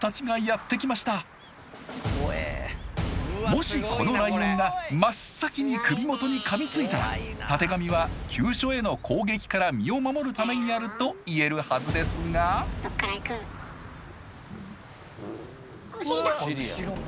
もしこのライオンが真っ先に首元にかみついたらたてがみは急所への攻撃から身を守るためにあると言えるはずですがお尻だ！